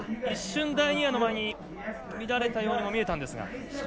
一瞬、第２エアの前に乱れたようにも見えたんですが。